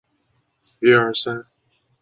鲍博什德布雷泰。